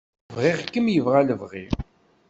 Bɣiɣ-kem yebɣa lebɣi.